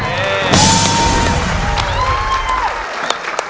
เล่น